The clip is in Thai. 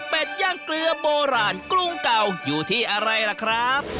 เป็นย่างเกลือโบราณกรุงเก่าอยู่ที่อะไรล่ะครับ